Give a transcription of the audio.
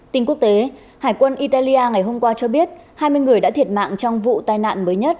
tin quốc tế hải quân italia ngày hôm qua cho biết hai mươi người đã thiệt mạng trong vụ tai nạn mới nhất